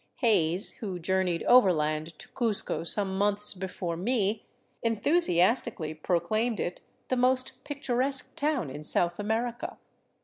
Hays, who journeyed overland to Cuzco some months before me, enthusiastically proclaimed it " the most picturesque town in South America."